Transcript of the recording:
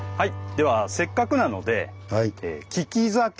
ではせっかくなので利きだし。